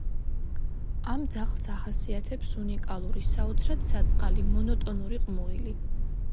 ამ ძაღლს ახასიათებს უნიკალური, საოცრად საწყალი, მონოტონური ყმუილი.